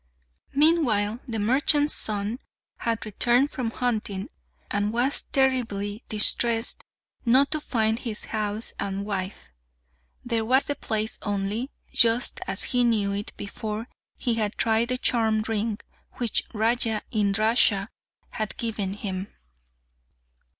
Meanwhile the merchant's son had returned from hunting and was terribly distressed not to find his house and wife. There was the place only, just as he knew it before he had tried the charmed ring which Raja Indrasha had given him.